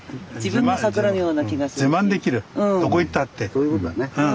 そういうことだね。